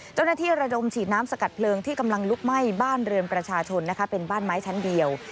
ระดมฉีดน้ำสกัดเพลิงที่กำลังลุกไหม้บ้านเรือนประชาชนนะคะเป็นบ้านไม้ชั้นเดียว